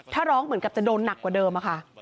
ถ้าร้องเหมือนกับจะโดนหนักกว่าเดิมอะค่ะ